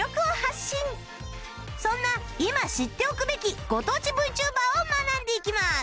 そんな今知っておくべきご当地 ＶＴｕｂｅｒ を学んでいきます